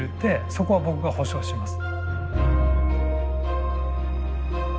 そこは僕が保証します。